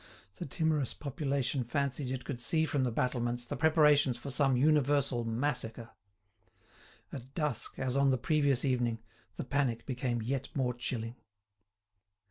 The timorous population fancied it could see from the battlements the preparations for some universal massacre. At dusk, as on the previous evening, the panic became yet more chilling.